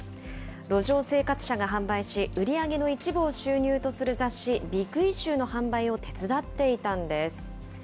路上生活者が販売し、売り上げの一部を収入とする雑誌、ビッグイシューの販売を手伝っていたんです。